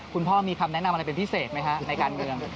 คุณพ่อมีคำแนะนำอะไรเป็นพิเศษไหมฮะในการเมือง